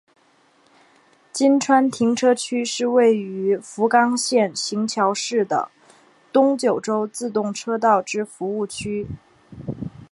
今川停车区是位于福冈县行桥市的东九州自动车道之服务区。